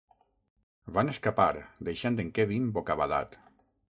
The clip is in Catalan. Van escapar, deixant en Kevin bocabadat.